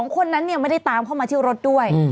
คนนั้นไม่ได้ตามเข้ามาที่รถด้วย